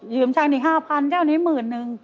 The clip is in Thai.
ยืมชั้นนี้๕๐๐๐อันนี้๑๐๐๐๐อันนึง